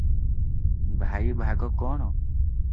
ଭାଇ ଭାଗ କଣ?